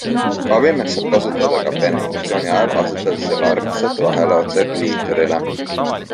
Abimeest saab kasutada ka penetratsiooni ajal asetades selle armastajate vahele otse kliitorile.